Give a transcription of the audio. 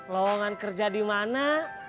lawangan kerja dimana